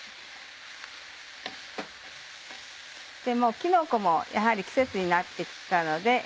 きのこもやはり季節になって来たので。